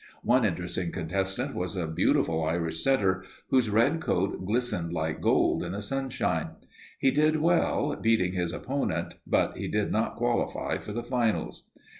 One interesting contestant was a beautiful Irish setter, whose red coat glistened like gold in the sunshine. He did well, beating his opponent, but he did not qualify for the finals.